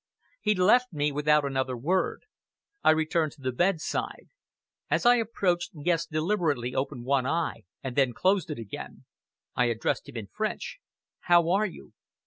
He left me without another word. I returned to the bedside. As I approached, Guest deliberately opened one eye and then closed it again. I addressed him in French: "How are you?"